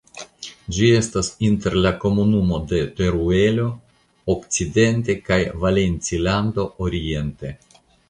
Ĝi estas inter la Komunumo de Teruelo okcidente kaj Valencilando oriente.